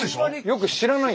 よく知らない。